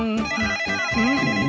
☎うん？